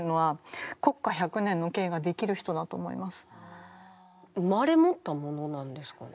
生まれ持ったものなんですかね？